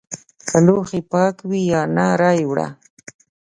که لوښي پاک وي یا نه رایې وړه!